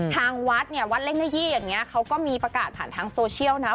ทางวัดเนี่ยวัดเล่งหน้ายี่อย่างนี้เขาก็มีประกาศผ่านทางโซเชียลนะ